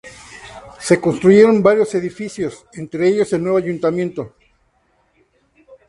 Se construyeron varios edificios, entre ellos el nuevo Ayuntamiento.